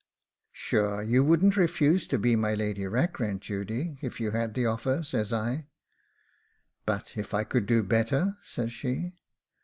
'Sure you wouldn't refuse to be my Lady Rackrent, Judy, if you had the offer?' says I. 'But if I could do better!' says she.